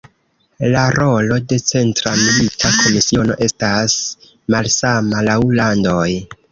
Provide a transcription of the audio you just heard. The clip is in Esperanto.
La rolo de Centra Milita Komisiono estas malsama laŭ landoj.